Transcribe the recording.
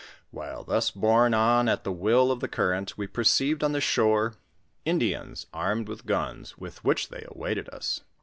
While thus borne on at the will of the current, we perceived on the shore Indians armed with guns, with which they awaited us.